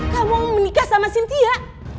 kamu menikah sama cynthia